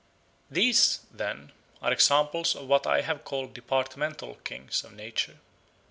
These, then, are examples of what I have called departmental kings of nature.